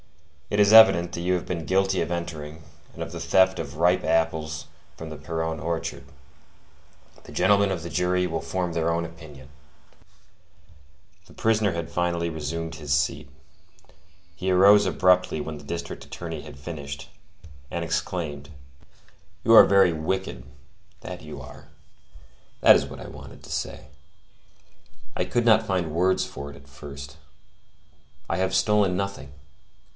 It is evident that you have been guilty of entering, and of the theft of ripe apples from the Pierron orchard. The gentlemen of the jury will form their own opinion." [Illustration: Father Champmathieu on Trial] The prisoner had finally resumed his seat; he arose abruptly when the district attorney had finished, and exclaimed:— "You are very wicked; that you are! This what I wanted to say; I could not find words for it at first. I have stolen nothing.